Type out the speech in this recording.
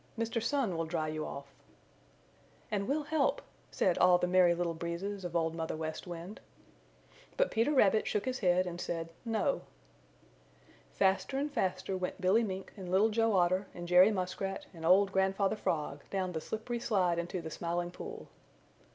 "Mr. Sun will dry you off." "And we'll help," said all the Merry Little Breezes of Old Mother West Wind. But Peter Rabbit shook his head and said, "No." Faster and faster went Billy Mink and Little Joe Otter and Jerry Muskrat and old Grandfather Frog down the slippery slide into the Smiling Pool.